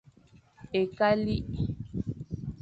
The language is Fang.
Ekalik.